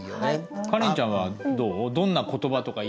カレンちゃんはどう？